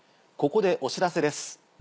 ここでお知らせです。